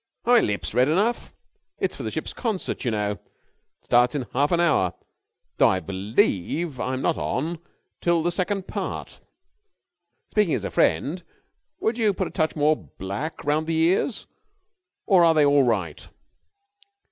"Are my lips red enough? It's for the ship's concert, you know. It starts in half an hour, though I believe I'm not on till the second part. Speaking as a friend, would you put a touch more black round the ears, or are they all right?"